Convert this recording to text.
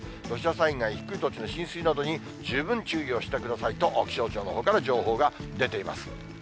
土砂災害、低い土地の浸水などに十分注意をしてくださいと、気象庁のほうから情報が出ています。